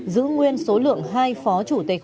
giữ nguyên số lượng hai phó chủ tịch